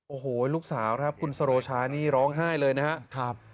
โอ้โหลูกสาวครับคุณสโรชานี่ร้องไห้เลยนะครับ